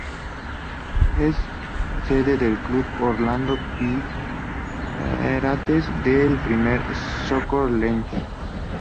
Es sede del club Orlando Pirates de la Premier Soccer League.